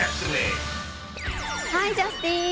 ハイジャスティン！